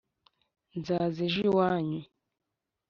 nzaza ejo iwanyu